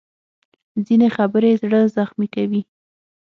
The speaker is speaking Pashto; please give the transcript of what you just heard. ځینې خبرې زړه زخمي کوي